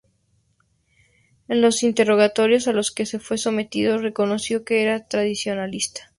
En los interrogatorios a los que fue sometido reconoció que era tradicionalista.